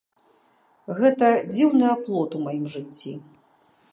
Гэта дзіўны аплот у маім жыцці!